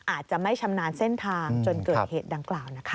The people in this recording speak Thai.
อาจจะไม่ชำนาญเส้นทางจนเกิดเหตุดังกล่าวนะคะ